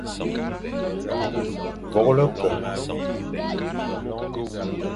Vôlge ke, va vite.